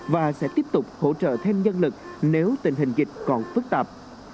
và sẽ tiếp tục hỗ trợ thêm nhân lực nếu tình hình dịch còn phức tạp